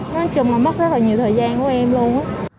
nói chung là mất rất là nhiều thời gian của em luôn